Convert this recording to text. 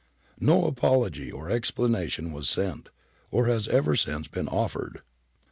No apology or explanation was sent, or has ever since been offered.